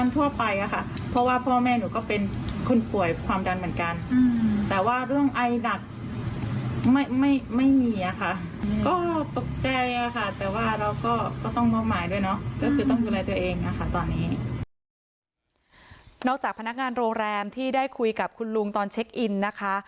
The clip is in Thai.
นอกจากพนักงานโรงแรมที่ได้คุยกับคุณลุงตอนเช็คอินนะคะ